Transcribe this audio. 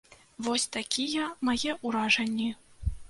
Вось такія мае ўражанні.